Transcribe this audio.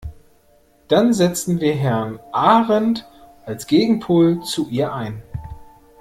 Dann setzen wir Herrn Ahrendt als Gegenpol zu ihr ein.